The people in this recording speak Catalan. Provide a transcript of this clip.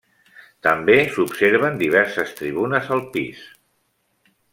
També s'observen diverses tribunes al pis.